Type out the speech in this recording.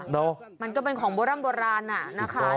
เนาะมันก็เป็นของโบราณนะคะ